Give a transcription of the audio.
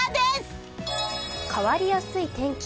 変わりやすい天気。